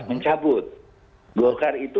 mencabut golkar itu